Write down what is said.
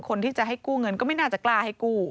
คนที่จะให้กู้เงินก็ไม่น่าจะกล้าให้กู้